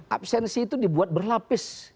absensi itu dibuat berlapis